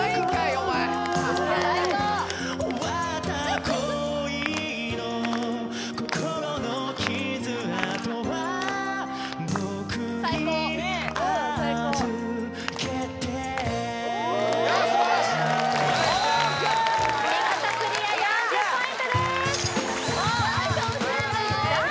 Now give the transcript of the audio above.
お見事クリア４０ポイントですさあ